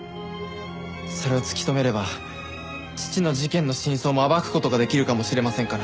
それを突き止めれば父の事件の真相も暴く事ができるかもしれませんから。